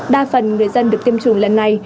đa phần người dân được tiêm chủng lần này